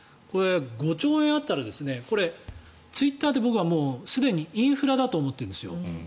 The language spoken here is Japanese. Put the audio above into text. ５兆円あったらツイッターで僕はすでにインフラだと思っているんです。